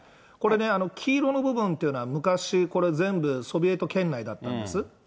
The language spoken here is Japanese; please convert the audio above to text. これ黄色の部分っていうのは、昔、これ、全部ソビエト圏内だったんです。